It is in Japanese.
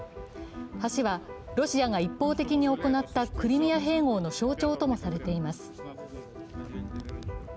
橋はロシアが一方的に行ったクリミア併合の象徴ともされています。